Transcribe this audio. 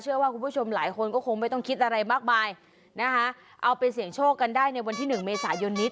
เชื่อว่าคุณผู้ชมหลายคนก็คงไม่ต้องคิดอะไรมากมายนะคะเอาไปเสี่ยงโชคกันได้ในวันที่หนึ่งเมษายนนี้